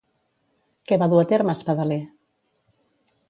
Què va dur a terme Espadaler?